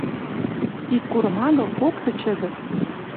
Ик курым агыл, кокты чӹдӹ!